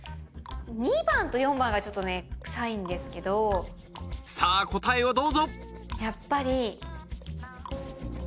番と番がちょっとくさいんですけどさぁ答えをどうぞやっぱり。